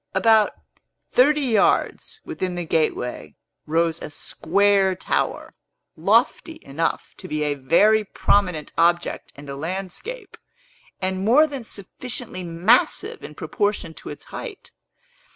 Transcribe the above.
About thirty yards within the gateway rose a square tower, lofty enough to be a very prominent object in the landscape, and more than sufficiently massive in proportion to its height.